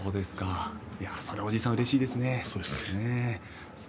それは、おじいさんうれしいでしょうね。